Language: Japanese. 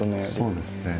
そうですね。